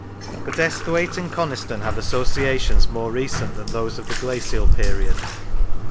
But Esthwaite and Coniston have associations more recent than those of the glacial period.